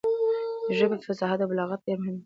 د ژبې فصاحت او بلاغت ډېر مهم دی.